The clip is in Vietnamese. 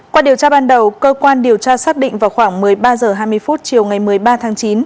qua điều tra ban đầu cơ quan điều tra xác định vào khoảng một mươi ba h hai mươi chiều ngày một mươi ba tháng chín